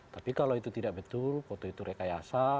tapi kalau itu tidak betul foto itu rekayasa